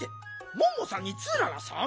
モンモさんにツーララさん？